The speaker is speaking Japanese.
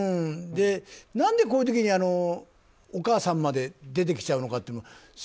何でこういう時にお母さんまで出てきちゃうのか。